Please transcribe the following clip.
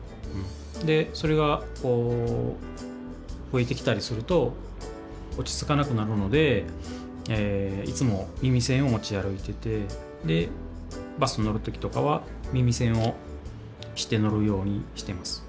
でそれが聞こえてきたりすると落ち着かなくなるのでいつも耳栓を持ち歩いててバス乗る時とかは耳栓をして乗るようにしてます。